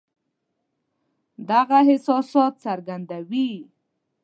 دغه احساسات څرګندوي.